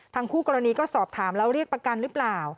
คู่กรณีก็สอบถามแล้วเรียกประกันหรือเปล่า